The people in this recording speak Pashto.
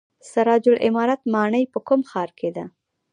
سراج العمارت ماڼۍ په کوم ښار کې ده؟